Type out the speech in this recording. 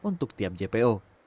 untuk tiap jpo